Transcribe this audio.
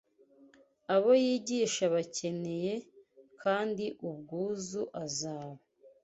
abo yigisha bakeneye, kandi ubwuzu azaba